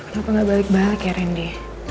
kenapa nggak balik balik ya rendy